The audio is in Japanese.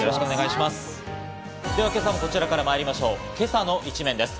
では今朝もこちらからまいりましょう、今朝の一面です。